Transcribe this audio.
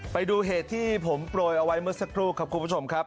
ไปดูเหตุที่ผมโปรยเอาไว้เมื่อสักครู่ครับคุณผู้ชมครับ